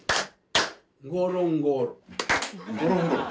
「ンゴロンゴロ」？